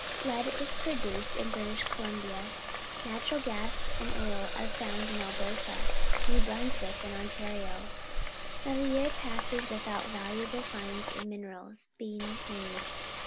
Lead is produced in British Columbia. Natural gas and oil are found in Alberta, New Brunswick, and Ontario. Not a year passes without valuable finds of minerals being made.